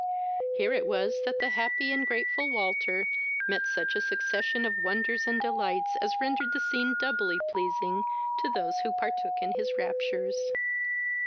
Here it was that the happy, the grateful Walter met such a succession of wonders and delight as rendered the scene doubly pleasing to those who partook in his raptures.